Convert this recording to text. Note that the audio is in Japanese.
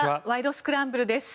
スクランブル」です。